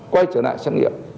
quay trở lại sáng nghiệp